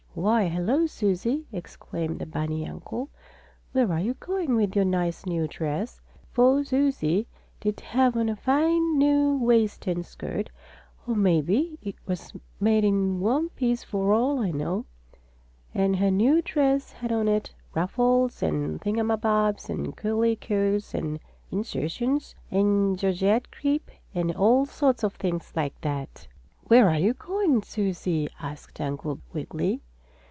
"Why, hello Susie!" exclaimed the bunny uncle. "Where are you going with your nice new dress?" for Susie did have on a fine new waist and skirt, or maybe it was made in one piece for all I know. And her new dress had on it ruffles and thing a ma bobs and curley cues and insertions and Georgette crepe and all sorts of things like that. "Where are you going, Susie?" asked Uncle Wiggily.